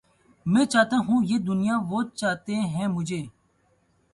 میں چاہتا ہوں یہ دنیا وہ چاہتا ہے مجھے